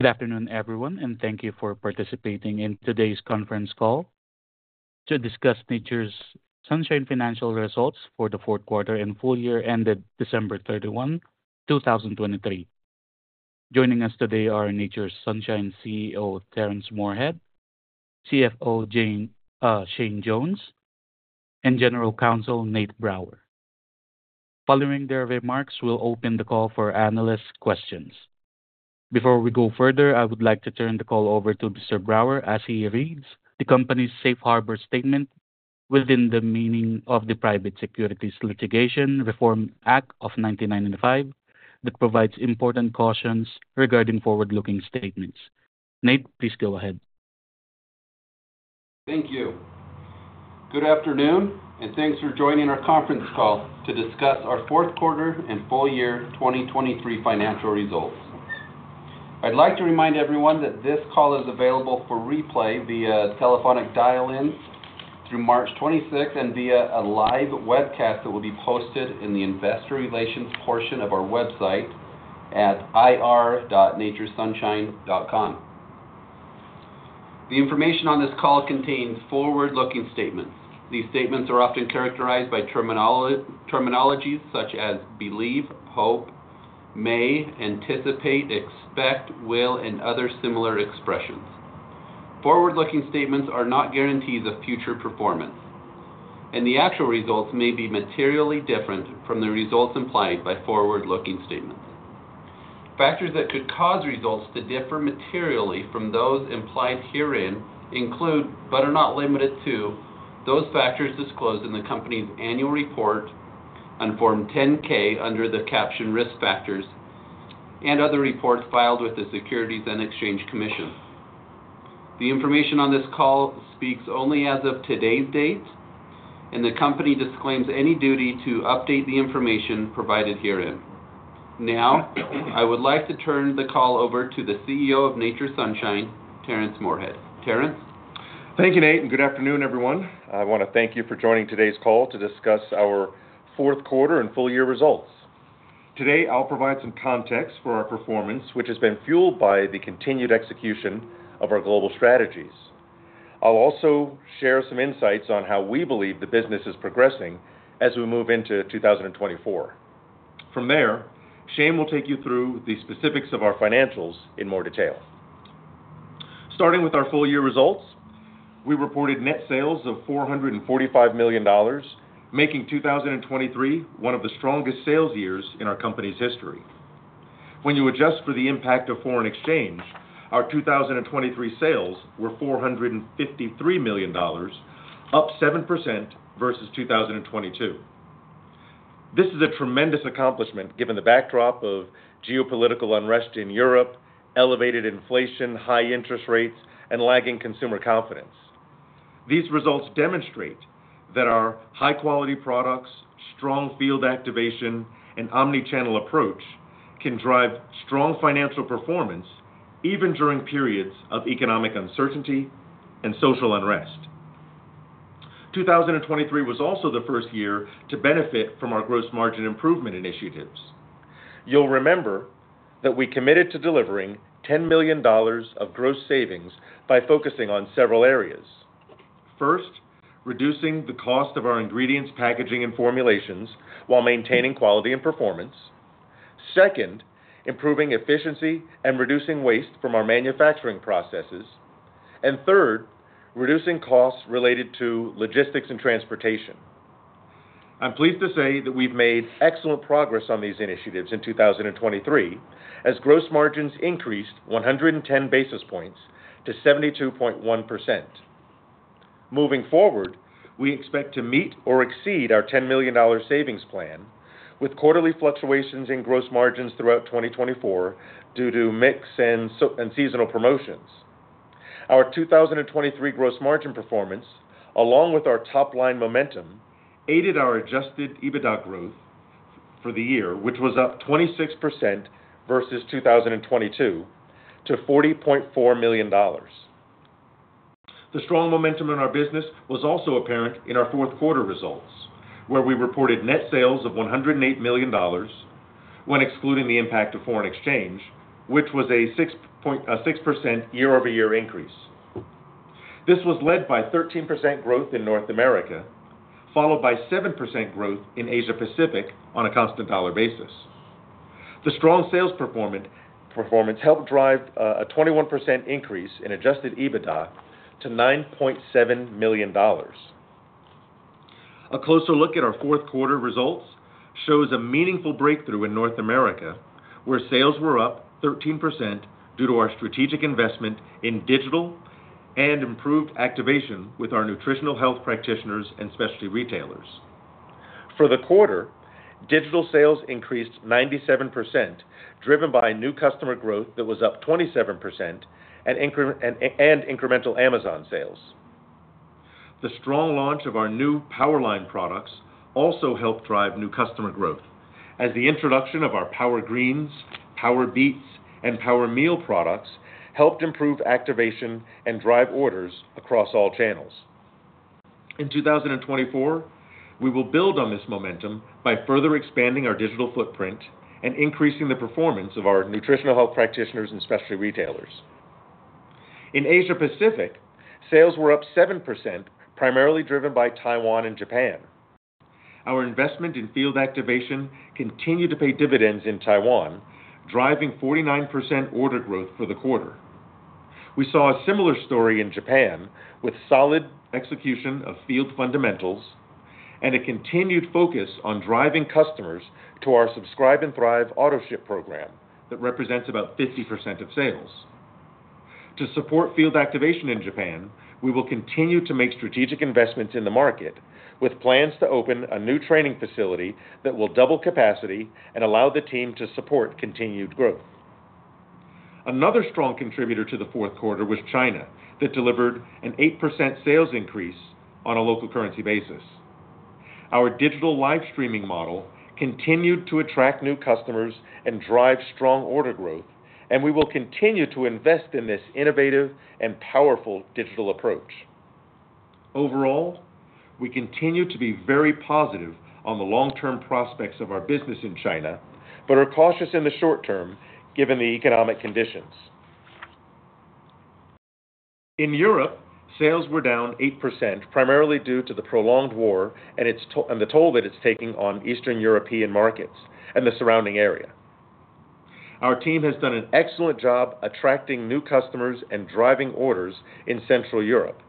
Good afternoon, everyone, and thank you for participating in today's conference call to discuss Nature's Sunshine Financial Results for the Fourth Quarter and Full Year ended December 31, 2023. Joining us today are Nature's Sunshine CEO Terrence Moorehead, CFO Shane Jones, and General Counsel Nate Brower. Following their remarks, we'll open the call for analyst questions. Before we go further, I would like to turn the call over to Mr. Brower as he reads the company's safe harbor statement within the meaning of the Private Securities Litigation Reform Act of 1995 that provides important cautions regarding forward-looking statements. Nate, please go ahead. Thank you. Good afternoon, and thanks for joining our conference call to discuss our fourth quarter and full year 2023 financial results. I'd like to remind everyone that this call is available for replay via telephonic dial-ins through March 26 and via a live webcast that will be posted in the investor relations portion of our website at ir.naturesunshine.com. The information on this call contains forward-looking statements. These statements are often characterized by terminology such as believe, hope, may, anticipate, expect, will, and other similar expressions. Forward-looking statements are not guarantees of future performance, and the actual results may be materially different from the results implied by forward-looking statements. Factors that could cause results to differ materially from those implied herein include, but are not limited to, those factors disclosed in the company's annual report, on Form 10-K under the caption Risk Factors, and other reports filed with the Securities and Exchange Commission. The information on this call speaks only as of today's date, and the company disclaims any duty to update the information provided herein. Now, I would like to turn the call over to the CEO of Nature's Sunshine, Terrence Moorehead. Terrence? Thank you, Nate, and good afternoon, everyone. I want to thank you for joining today's call to discuss our fourth quarter and full year results. Today, I'll provide some context for our performance, which has been fueled by the continued execution of our global strategies. I'll also share some insights on how we believe the business is progressing as we move into 2024. From there, Shane will take you through the specifics of our financials in more detail. Starting with our full year results, we reported net sales of $445 million, making 2023 one of the strongest sales years in our company's history. When you adjust for the impact of foreign exchange, our 2023 sales were $453 million, up 7% versus 2022. This is a tremendous accomplishment given the backdrop of geopolitical unrest in Europe, elevated inflation, high interest rates, and lagging consumer confidence. These results demonstrate that our high-quality products, strong field activation, and omnichannel approach can drive strong financial performance even during periods of economic uncertainty and social unrest. 2023 was also the first year to benefit from our gross margin improvement initiatives. You'll remember that we committed to delivering $10 million of gross savings by focusing on several areas. First, reducing the cost of our ingredients, packaging, and formulations while maintaining quality and performance. Second, improving efficiency and reducing waste from our manufacturing processes. And third, reducing costs related to logistics and transportation. I'm pleased to say that we've made excellent progress on these initiatives in 2023, as gross margins increased 110 basis points to 72.1%. Moving forward, we expect to meet or exceed our $10 million savings plan, with quarterly fluctuations in gross margins throughout 2024 due to mix and so and seasonal promotions. Our 2023 gross margin performance, along with our top-line momentum, aided our adjusted EBITDA growth for the year, which was up 26% versus 2022, to $40.4 million. The strong momentum in our business was also apparent in our fourth quarter results, where we reported net sales of $108 million when excluding the impact of foreign exchange, which was a 6.06% year-over-year increase. This was led by 13% growth in North America, followed by 7% growth in Asia-Pacific on a constant dollar basis. The strong sales performance helped drive a 21% increase in adjusted EBITDA to $9.7 million. A closer look at our fourth quarter results shows a meaningful breakthrough in North America, where sales were up 13% due to our strategic investment in digital and improved activation with our nutritional health practitioners and specialty retailers. For the quarter, digital sales increased 97%, driven by new customer growth that was up 27% and incremental Amazon sales. The strong launch of our new Power Line products also helped drive new customer growth, as the introduction of our Power Greens, Power Beets, and Power Meal products helped improve activation and drive orders across all channels. In 2024, we will build on this momentum by further expanding our digital footprint and increasing the performance of our nutritional health practitioners and specialty retailers. In Asia-Pacific, sales were up 7%, primarily driven by Taiwan and Japan. Our investment in field activation continued to pay dividends in Taiwan, driving 49% order growth for the quarter. We saw a similar story in Japan with solid execution of field fundamentals and a continued focus on driving customers to our Subscribe and Thrive autoship program that represents about 50% of sales. To support field activation in Japan, we will continue to make strategic investments in the market, with plans to open a new training facility that will double capacity and allow the team to support continued growth. Another strong contributor to the fourth quarter was China that delivered an 8% sales increase on a local currency basis. Our digital live-streaming model continued to attract new customers and drive strong order growth, and we will continue to invest in this innovative and powerful digital approach. Overall, we continue to be very positive on the long-term prospects of our business in China, but are cautious in the short term given the economic conditions. In Europe, sales were down 8%, primarily due to the prolonged war and its toll and the toll that it's taking on Eastern European markets and the surrounding area. Our team has done an excellent job attracting new customers and driving orders in Central Europe,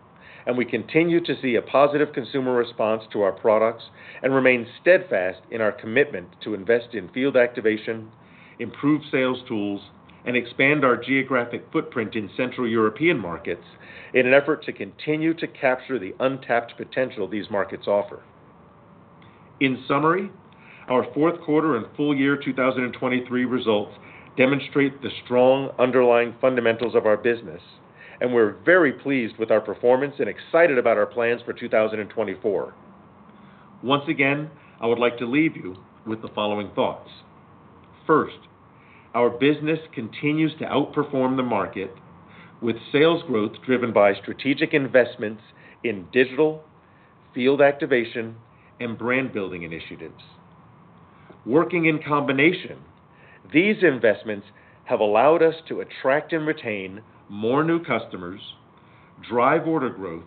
and we continue to see a positive consumer response to our products and remain steadfast in our commitment to invest in field activation, improve sales tools, and expand our geographic footprint in Central European markets in an effort to continue to capture the untapped potential these markets offer. In summary, our fourth quarter and full year 2023 results demonstrate the strong underlying fundamentals of our business, and we're very pleased with our performance and excited about our plans for 2024. Once again, I would like to leave you with the following thoughts. First, our business continues to outperform the market, with sales growth driven by strategic investments in digital, field activation, and brand-building initiatives. Working in combination, these investments have allowed us to attract and retain more new customers, drive order growth,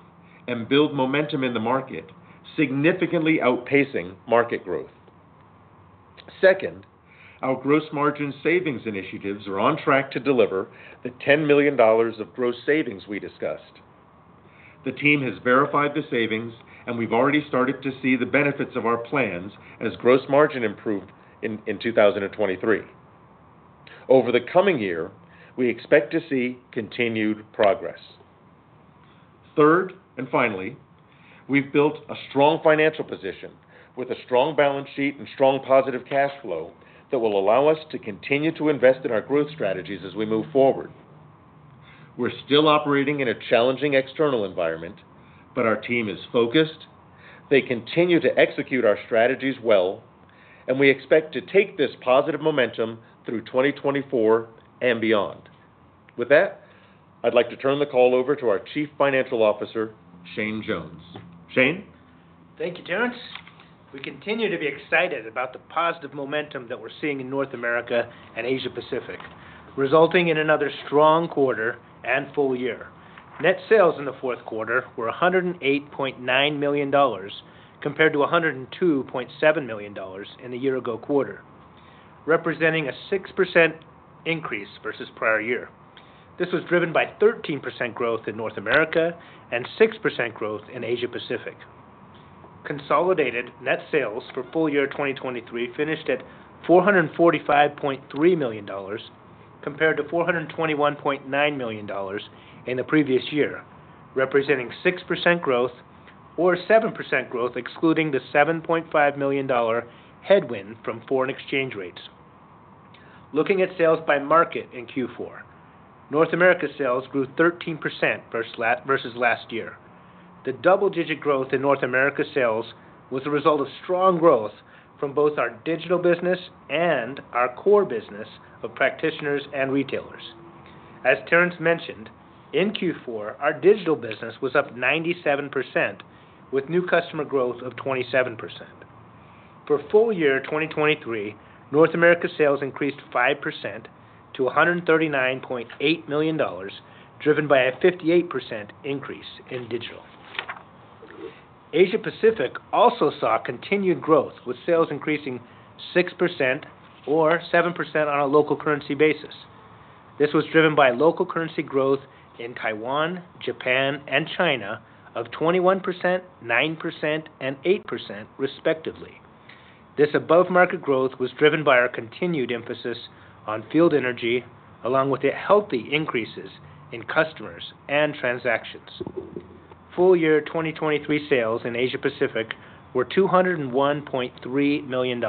and build momentum in the market, significantly outpacing market growth. Second, our gross margin savings initiatives are on track to deliver the $10 million of gross savings we discussed. The team has verified the savings, and we've already started to see the benefits of our plans as gross margin improved in 2023. Over the coming year, we expect to see continued progress. Third and finally, we've built a strong financial position with a strong balance sheet and strong positive cash flow that will allow us to continue to invest in our growth strategies as we move forward. We're still operating in a challenging external environment, but our team is focused, they continue to execute our strategies well, and we expect to take this positive momentum through 2024 and beyond. With that, I'd like to turn the call over to our Chief Financial Officer, Shane Jones. Shane? Thank you, Terrence. We continue to be excited about the positive momentum that we're seeing in North America and Asia-Pacific, resulting in another strong quarter and full year. Net sales in the fourth quarter were $108.9 million compared to $102.7 million in the year-ago quarter, representing a 6% increase versus prior year. This was driven by 13% growth in North America and 6% growth in Asia-Pacific. Consolidated net sales for full year 2023 finished at $445.3 million compared to $421.9 million in the previous year, representing 6% growth or 7% growth excluding the $7.5 million headwind from foreign exchange rates. Looking at sales by market in Q4, North America sales grew 13% versus last year. The double-digit growth in North America sales was a result of strong growth from both our digital business and our core business of practitioners and retailers. As Terrence mentioned, in Q4, our digital business was up 97%, with new customer growth of 27%. For full year 2023, North America sales increased 5% to $139.8 million, driven by a 58% increase in digital. Asia-Pacific also saw continued growth, with sales increasing 6% or 7% on a local currency basis. This was driven by local currency growth in Taiwan, Japan, and China of 21%, 9%, and 8%, respectively. This above-market growth was driven by our continued emphasis on field energy, along with the healthy increases in customers and transactions. Full year 2023 sales in Asia-Pacific were $201.3 million,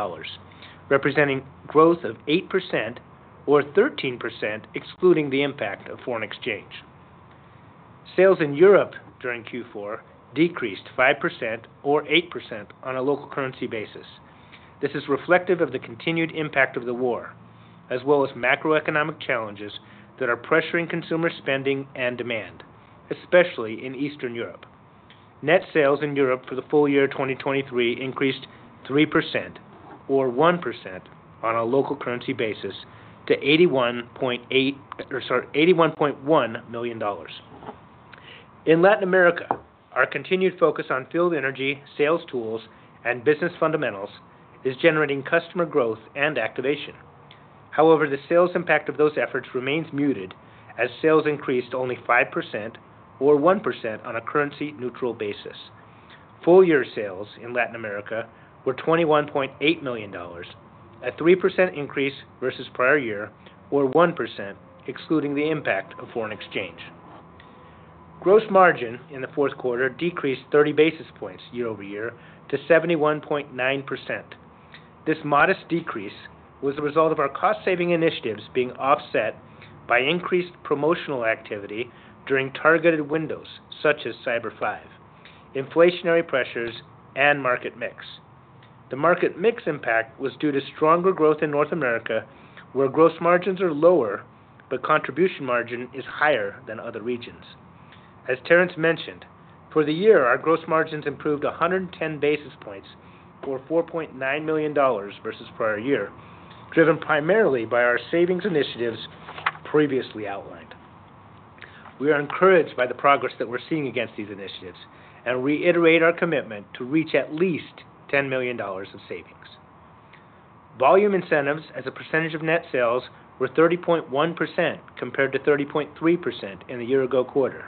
representing growth of 8% or 13% excluding the impact of foreign exchange. Sales in Europe during Q4 decreased 5% or 8% on a local currency basis. This is reflective of the continued impact of the war, as well as macroeconomic challenges that are pressuring consumer spending and demand, especially in Eastern Europe. Net sales in Europe for the full year 2023 increased 3% or 1% on a local currency basis to $81.8 or, sorry, $81.1 million. In Latin America, our continued focus on field energy, sales tools, and business fundamentals is generating customer growth and activation. However, the sales impact of those efforts remains muted, as sales increased only 5% or 1% on a currency-neutral basis. Full year sales in Latin America were $21.8 million, a 3% increase versus prior year or 1% excluding the impact of foreign exchange. Gross margin in the fourth quarter decreased 30 basis points year-over-year to 71.9%. This modest decrease was a result of our cost-saving initiatives being offset by increased promotional activity during targeted windows such as Cyber 5, inflationary pressures, and market mix. The market mix impact was due to stronger growth in North America, where gross margins are lower but contribution margin is higher than other regions. As Terrence mentioned, for the year, our gross margins improved 110 basis points or $4.9 million versus prior year, driven primarily by our savings initiatives previously outlined. We are encouraged by the progress that we're seeing against these initiatives and reiterate our commitment to reach at least $10 million of savings. Volume incentives, as a percentage of net sales, were 30.1% compared to 30.3% in the year-ago quarter.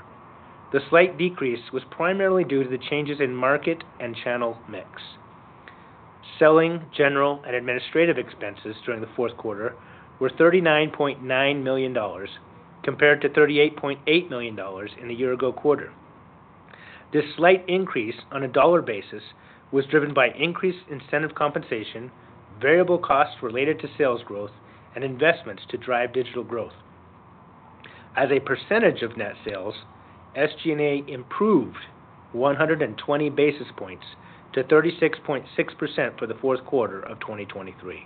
The slight decrease was primarily due to the changes in market and channel mix. Selling, general, and administrative expenses during the fourth quarter were $39.9 million compared to $38.8 million in the year-ago quarter. This slight increase on a dollar basis was driven by increased incentive compensation, variable costs related to sales growth, and investments to drive digital growth. As a percentage of net sales, SG&A improved 120 basis points to 36.6% for the fourth quarter of 2023.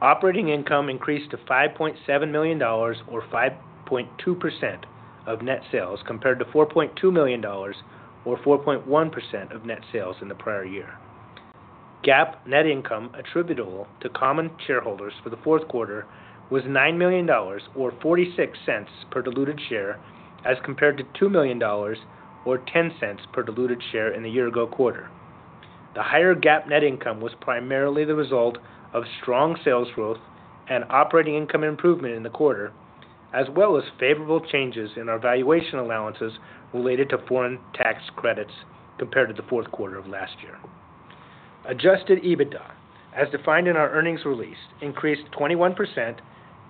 Operating income increased to $5.7 million or 5.2% of net sales compared to $4.2 million or 4.1% of net sales in the prior year. GAAP net income attributable to common shareholders for the fourth quarter was $9 million or $0.46 per diluted share, as compared to $2 million or $0.10 per diluted share in the year-ago quarter. The higher GAAP net income was primarily the result of strong sales growth and operating income improvement in the quarter, as well as favorable changes in our valuation allowances related to foreign tax credits compared to the fourth quarter of last year. Adjusted EBITDA, as defined in our earnings release, increased 21%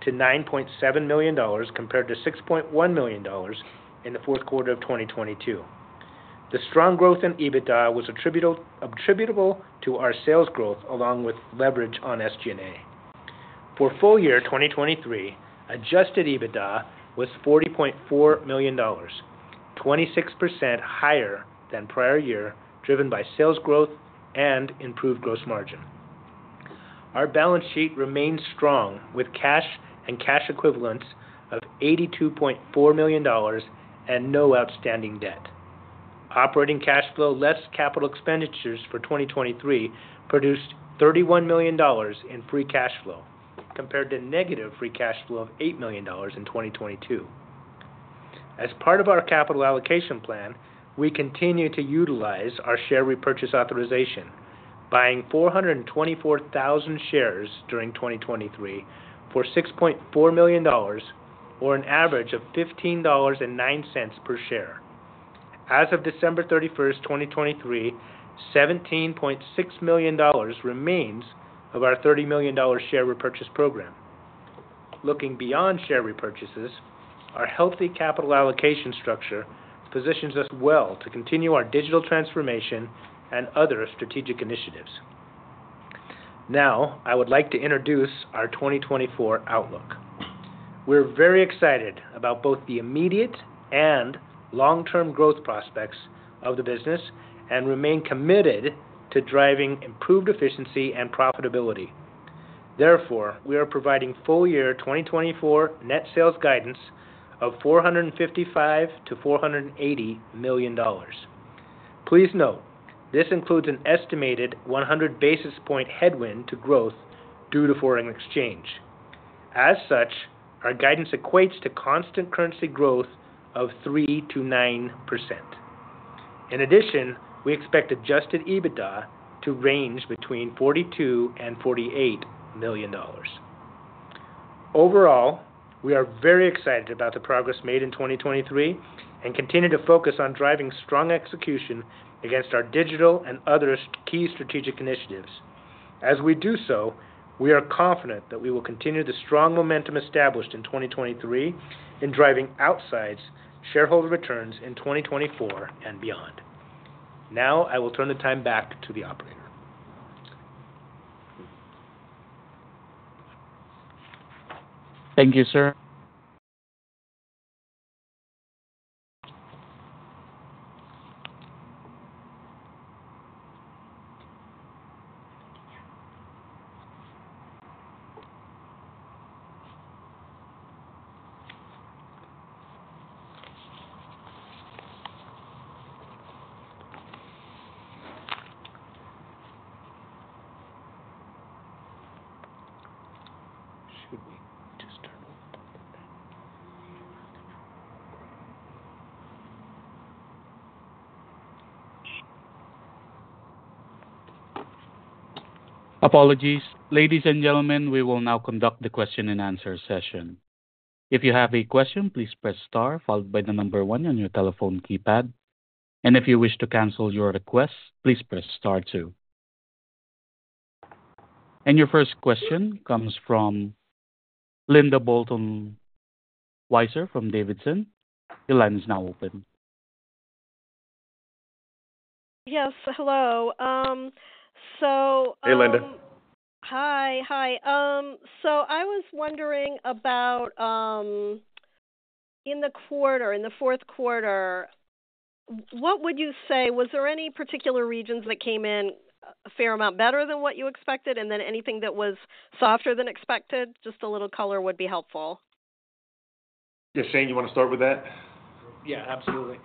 to $9.7 million compared to $6.1 million in the fourth quarter of 2022. The strong growth in EBITDA was attributable to our sales growth along with leverage on SG&A. For full year 2023, adjusted EBITDA was $40.4 million, 26% higher than prior year, driven by sales growth and improved gross margin. Our balance sheet remained strong, with cash and cash equivalents of $82.4 million and no outstanding debt. Operating cash flow less capital expenditures for 2023 produced $31 million in free cash flow compared to negative free cash flow of $8 million in 2022. As part of our capital allocation plan, we continue to utilize our share repurchase authorization, buying 424,000 shares during 2023 for $6.4 million or an average of $15.09 per share. As of December 31st, 2023, $17.6 million remains of our $30 million share repurchase program. Looking beyond share repurchases, our healthy capital allocation structure positions us well to continue our digital transformation and other strategic initiatives. Now, I would like to introduce our 2024 outlook. We're very excited about both the immediate and long-term growth prospects of the business and remain committed to driving improved efficiency and profitability. Therefore, we are providing full year 2024 net sales guidance of $455-$480 million. Please note, this includes an estimated 100 basis point headwind to growth due to foreign exchange. As such, our guidance equates to constant currency growth of 3%to 9%. In addition, we expect Adjusted EBITDA to range between $42and $48 million. Overall, we are very excited about the progress made in 2023 and continue to focus on driving strong execution against our digital and other key strategic initiatives. As we do so, we are confident that we will continue the strong momentum established in 2023 in driving outsized shareholder returns in 2024 and beyond. Now, I will turn the time back to the operator. Thank you, sir. Should we just turn off the mic? You're welcome. Apologies. Ladies and gentlemen, we will now conduct the question-and-answer session. If you have a question, please press star followed by the number one on your telephone keypad, and if you wish to cancel your request, please press star two. Your first question comes from Linda Bolton Weiser from D.A. Davidson. Your line is now open. Yes, hello. Hey, Linda. Hi, hi. So I was wondering about, in the quarter, in the fourth quarter, what would you say was there any particular regions that came in a fair amount better than what you expected, and then anything that was softer than expected? Just a little color would be helpful. Yeah, Shane, you want to start with that? Yeah, absolutely.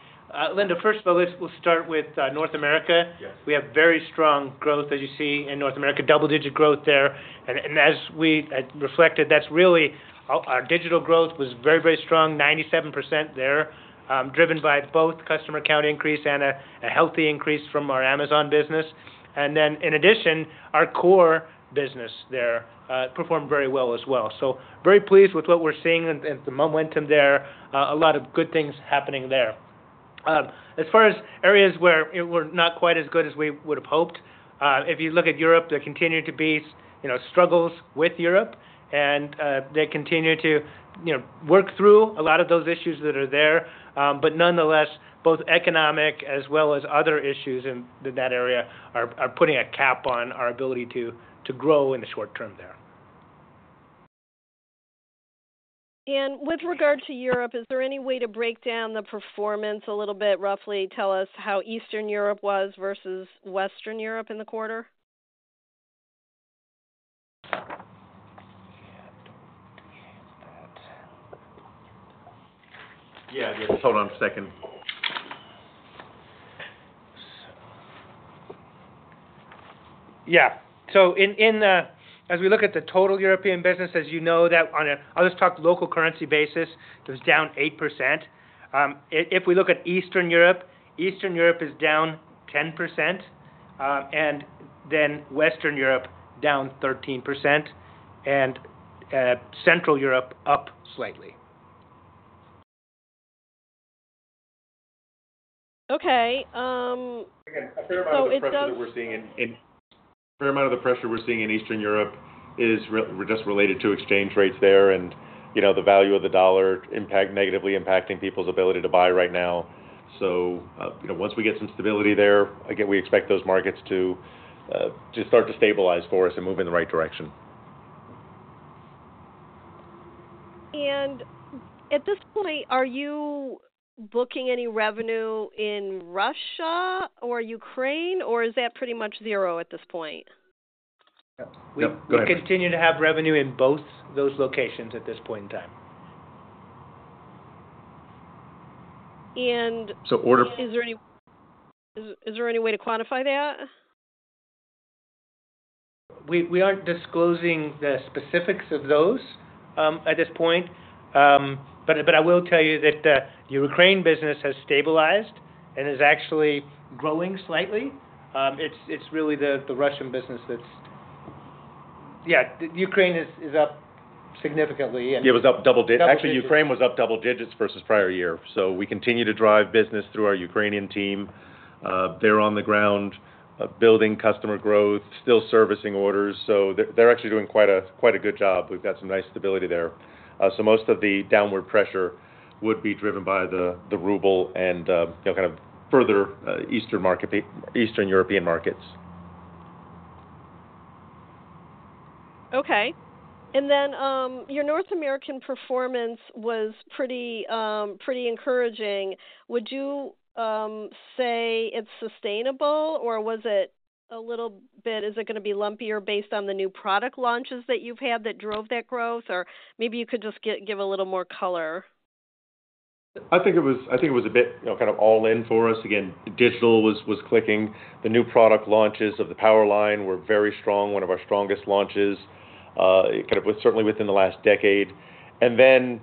Linda, first of all, let's start with North America. Yes. We have very strong growth, as you see, in North America, double-digit growth there. And as we had reflected, that's really our digital growth was very, very strong, 97% there, driven by both customer account increase and a healthy increase from our Amazon business. And then in addition, our core business there performed very well as well. So very pleased with what we're seeing and the momentum there, a lot of good things happening there. As far as areas where we were not quite as good as we would have hoped, if you look at Europe, there continue to be, you know, struggles with Europe, and they continue to, you know, work through a lot of those issues that are there. But nonetheless, both economic as well as other issues in that area are putting a cap on our ability to grow in the short term there. With regard to Europe, is there any way to break down the performance a little bit roughly? Tell us how Eastern Europe was versus Western Europe in the quarter. Yeah, I don't think I have that. Yeah, just hold on a second. So. Yeah. So as we look at the total European business, as you know, that on a I'll just talk local currency basis. It was down 8%. If we look at Eastern Europe, Eastern Europe is down 10%, and then Western Europe down 13%, and Central Europe up slightly. Okay. Again, a fair amount of the pressure that we're seeing in. So it's. A fair amount of the pressure we're seeing in Eastern Europe is really just related to exchange rates there and, you know, the value of the US dollar impacting negatively impacting people's ability to buy right now. So, you know, once we get some stability there, again, we expect those markets to just start to stabilize for us and move in the right direction. At this point, are you booking any revenue in Russia or Ukraine, or is that pretty much zero at this point? Yep. Yep. We continue to have revenue in both those locations at this point in time. And. So order. Is there any way to quantify that? We aren't disclosing the specifics of those at this point, but I will tell you that the Ukraine business has stabilized and is actually growing slightly. It's really the Russian business that's yeah, the Ukraine is up significantly and. Yeah, it was up double digits actually. Ukraine was up double digits versus prior year. So we continue to drive business through our Ukrainian team. They're on the ground, building customer growth, still servicing orders. So they're actually doing quite a good job. We've got some nice stability there. So most of the downward pressure would be driven by the ruble and, you know, kind of further Eastern markets, Eastern European markets. Okay. And then, your North American performance was pretty, pretty encouraging. Would you say it's sustainable, or was it a little bit—is it going to be lumpier based on the new product launches that you've had that drove that growth, or maybe you could just give a little more color? I think it was a bit, you know, kind of all-in for us. Again, digital was clicking. The new product launches of the Powerline were very strong, one of our strongest launches, kind of with certainly within the last decade. And then,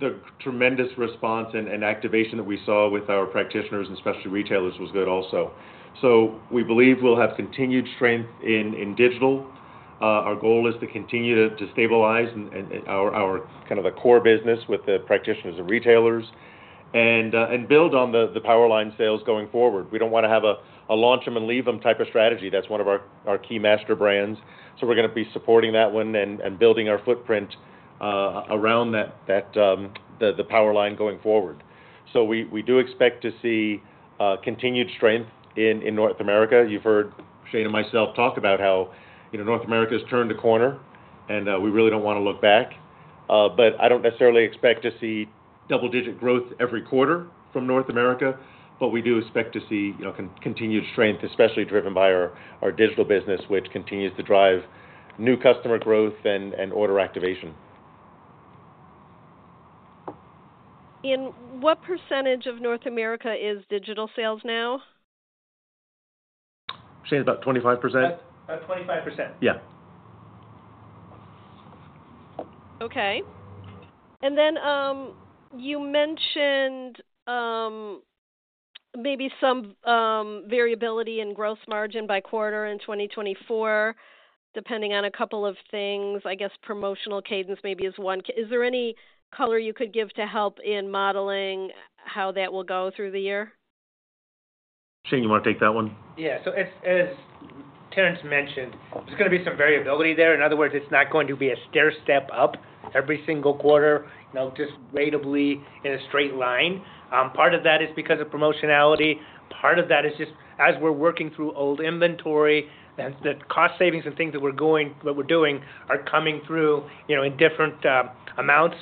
the tremendous response and activation that we saw with our practitioners and specialty retailers was good also. So we believe we'll have continued strength in digital. Our goal is to continue to stabilize and our kind of the core business with the practitioners and retailers and build on the Powerline sales going forward. We don't want to have a launch them and leave them type of strategy. That's one of our key master brands. So we're going to be supporting that one and building our footprint around that, the power line going forward. So we do expect to see continued strength in North America. You've heard Shane and myself talk about how, you know, North America's turned a corner, and we really don't want to look back. But I don't necessarily expect to see double-digit growth every quarter from North America, but we do expect to see, you know, continued strength, especially driven by our digital business, which continues to drive new customer growth and order activation. What percentage of North America is digital sales now? Shane, about 25%. About 25%. Yeah. Okay. And then, you mentioned, maybe some, variability in gross margin by quarter in 2024 depending on a couple of things. I guess promotional cadence maybe is one. Is there any color you could give to help in modeling how that will go through the year? Shane, you want to take that one? Yeah. So as, as Terrence mentioned, there's going to be some variability there. In other words, it's not going to be a stair-step up every single quarter, you know, just ratably in a straight line. Part of that is because of promotionality. Part of that is just as we're working through old inventory, and the cost savings and things that we're going what we're doing are coming through, you know, in different amounts.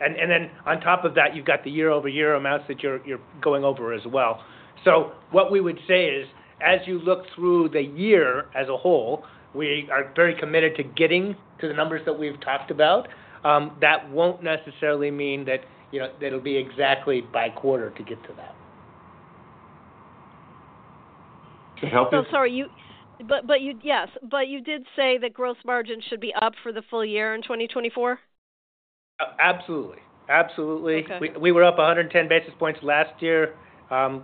And, and then on top of that, you've got the year-over-year amounts that you're, you're going over as well. So what we would say is, as you look through the year as a whole, we are very committed to getting to the numbers that we've talked about. That won't necessarily mean that, you know, that it'll be exactly by quarter to get to that. To help you. Oh, sorry. But you did say that gross margin should be up for the full year in 2024? Absolutely. Absolutely. Okay. We were up 110 basis points last year.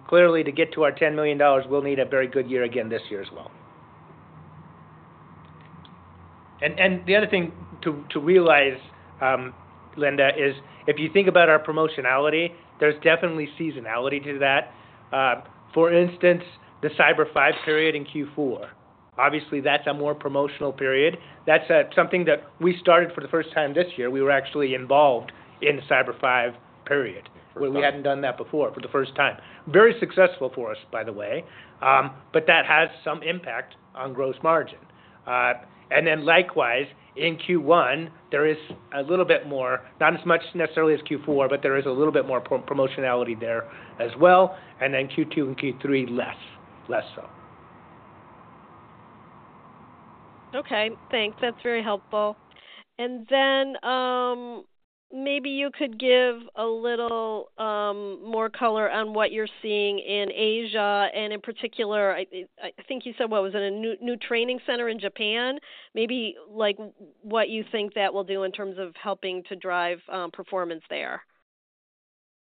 Clearly, to get to our $10 million, we'll need a very good year again this year as well. And the other thing to realize, Linda, is if you think about our promotionality, there's definitely seasonality to that. For instance, the Cyber 5 period in Q4, obviously, that's a more promotional period. That's something that we started for the first time this year. We were actually involved in the Cyber 5 period. For the first time. Where we hadn't done that before, for the first time. Very successful for us, by the way. But that has some impact on gross margin. And then likewise, in Q1, there is a little bit more, not as much necessarily as Q4, but there is a little bit more promotionality there as well. And then Q2 and Q3, less, less so. Okay. Thanks. That's very helpful. And then, maybe you could give a little more color on what you're seeing in Asia. And in particular, I think you said what was it? A new training center in Japan? Maybe, like, what you think that will do in terms of helping to drive performance there.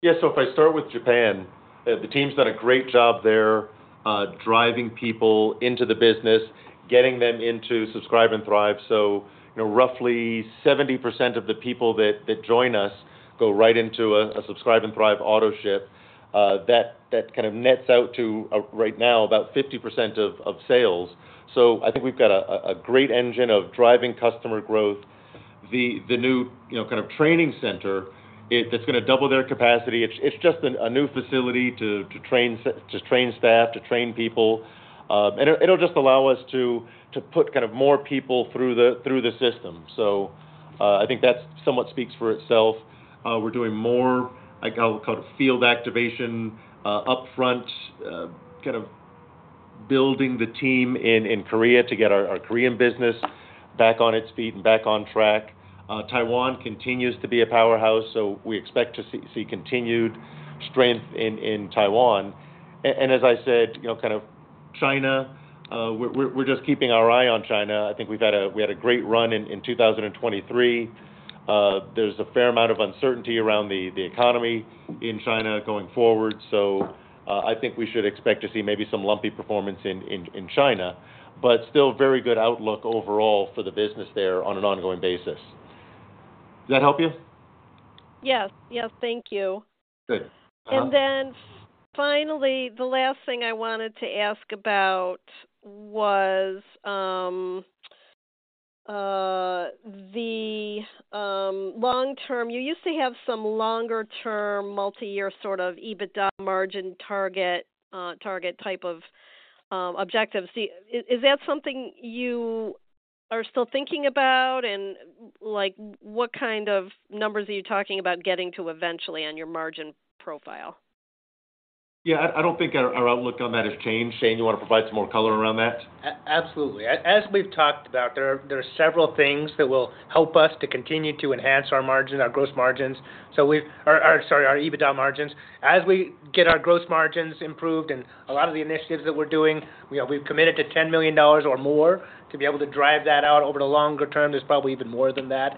Yeah. So if I start with Japan, the team's done a great job there, driving people into the business, getting them into Subscribe and Thrive. So, you know, roughly 70% of the people that join us go right into a Subscribe and Thrive auto ship. That kind of nets out to, right now, about 50% of sales. So I think we've got a great engine of driving customer growth. The new, you know, kind of training center, it that's going to double their capacity. It's just a new facility to train staff, to train people. And it, it'll just allow us to put kind of more people through the system. So, I think that somewhat speaks for itself. We're doing more, I call it, field activation, upfront, kind of building the team in Korea to get our Korean business back on its feet and back on track. Taiwan continues to be a powerhouse, so we expect to see continued strength in Taiwan. And as I said, you know, kind of China, we're just keeping our eye on China. I think we've had a great run in 2023. There's a fair amount of uncertainty around the economy in China going forward. So, I think we should expect to see maybe some lumpy performance in China, but still very good outlook overall for the business there on an ongoing basis. Does that help you? Yes. Yes. Thank you. Good. And then finally, the last thing I wanted to ask about was the long-term you used to have some longer-term multi-year sort of EBITDA margin target type of objectives. Is that something you are still thinking about? And, like, what kind of numbers are you talking about getting to eventually on your margin profile? Yeah. I don't think our outlook on that has changed. Shane, you want to provide some more color around that? Absolutely. As we've talked about, there are several things that will help us to continue to enhance our margins, our gross margins. So, our—sorry, our EBITDA margins. As we get our gross margins improved and a lot of the initiatives that we're doing, you know, we've committed to $10 million or more to be able to drive that out over the longer term. There's probably even more than that,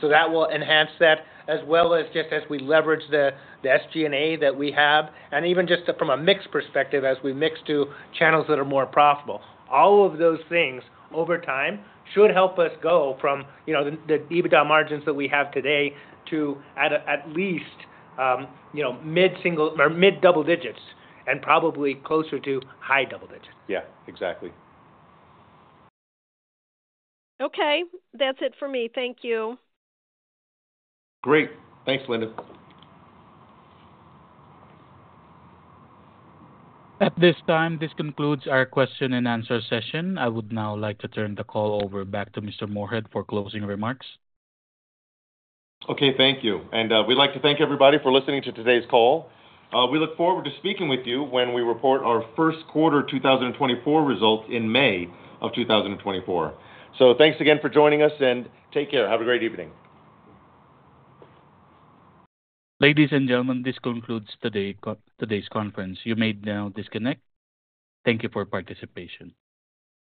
so that will enhance that as well as just as we leverage the SG&A that we have and even just from a mix perspective as we mix to channels that are more profitable. All of those things over time should help us go from, you know, the EBITDA margins that we have today to at least, you know, mid-single or mid-double digits and probably closer to high double digits. Yeah. Exactly. Okay. That's it for me. Thank you. Great. Thanks, Linda. At this time, this concludes our question-and-answer session. I would now like to turn the call over back to Mr. Moorehead for closing remarks. Okay. Thank you. And, we'd like to thank everybody for listening to today's call. We look forward to speaking with you when we report our first quarter 2024 results in May of 2024. So thanks again for joining us, and take care. Have a great evening. Ladies and gentlemen, this concludes today's conference. You may now disconnect. Thank you for participation.